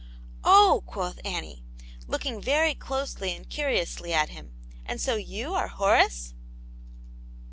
" Oh !'' quoth Annie, looking very closely and curiously at him, " and so you are Horace